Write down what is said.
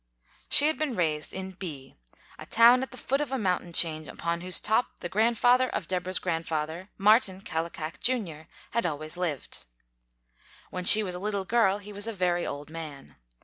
She had been raised in B , a town at the foot of a mountain chain upon whose top the grandfather of Deborah's grandfather, Martin Kallikak Jr., had always lived. When she was a little girl, he was a very old man.